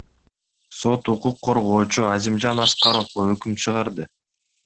Сот укук коргоочу Азимжан Аскаровго өкүм чыгарды.